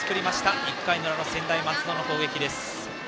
１回の裏、専大松戸の攻撃です。